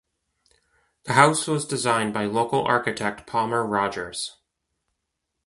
The house was designed by local architect Palmer Rogers.